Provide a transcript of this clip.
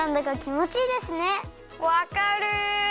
わかる！